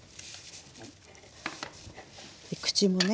口もね